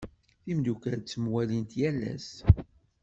Timdukal ttemwallint yal ass.